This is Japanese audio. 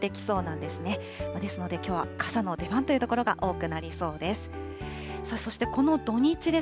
ですので、きょうは傘の出番という所が多くなりそうです。